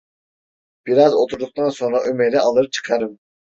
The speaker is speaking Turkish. Biraz oturduktan sonra Ömer’i alır çıkarım.